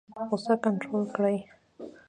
غوسه کنټرول کړئ